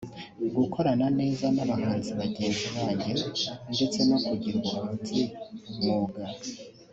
gukorana neza n’abahanzi bagenzi banjye ndetse no kugira ubuhanzi umwuga